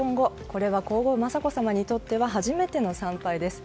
これは皇后・雅子さまにとっては初めての参拝です。